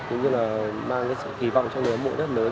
cũng như là mang ý vọng cho người ấm mộ rất lớn